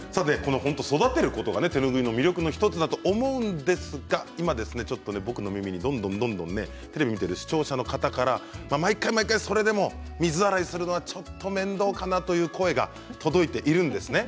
育てることが手ぬぐいの魅力の１つだと思うんですが今、ちょっと僕の耳にどんどんどんどんテレビを見ている視聴者の方から毎回毎回それでも水洗いするのはちょっと面倒かなという声が届いているんです。